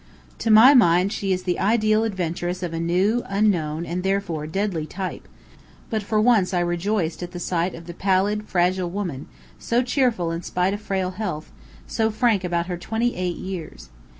To my mind she is the ideal adventuress of a new, unknown, and therefore deadly type; but for once I rejoiced at sight of the pallid, fragile woman, so cheerful in spite of frail health, so frank about her twenty eight years.